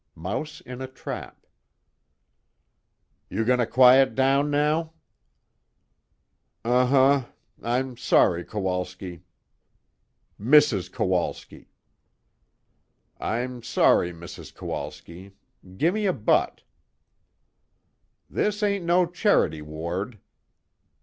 Mouse in a trap. "You gonna quiet down now?" "Uh huh. I'm sorry, Kowalski." "Mrs. Kowalski." "I'm sorry, Mrs. Kowalski. Gi' me a butt." "This ain't no charity ward."